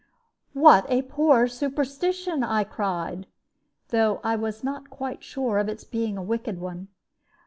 "What a poor superstition!" I cried, though I was not quite sure of its being a wicked one.